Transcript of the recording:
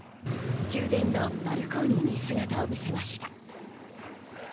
宮殿のバルコニーに姿を見せました。